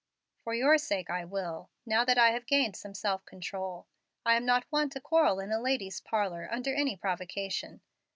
"For your sake I will, now that I have gained some self control. I am not one to quarrel in a lady's parlor under any provocation.